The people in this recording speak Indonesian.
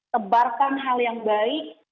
tebarkan hal yang baik